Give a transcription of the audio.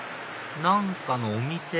何かのお店？